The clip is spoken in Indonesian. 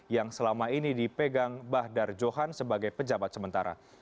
yang selama ini dipegang bahdar johan sebagai pejabat sementara